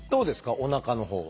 おなかのほうは。